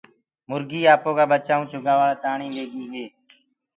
مُرگي آپو جآ ٻچآ ڪوُ چگآوآ تآڻي ليگي هي۔